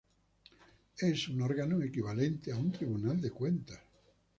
Es un órgano equivalente a un Tribunal de Cuentas.